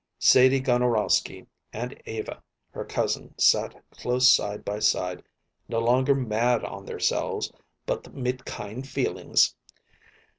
Sadie Gonorowsky and Eva, her cousin, sat closely side by side, no longer "mad on theirselves," but "mit kind feelings."